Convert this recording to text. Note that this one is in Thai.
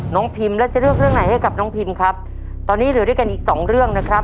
พิมแล้วจะเลือกเรื่องไหนให้กับน้องพิมครับตอนนี้เหลือด้วยกันอีกสองเรื่องนะครับ